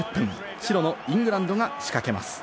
白のイングランドが仕掛けます。